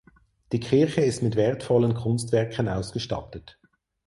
Die Kirche ist mit wertvollen Kunstwerken ausgestattet.